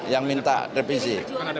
yang minta revisi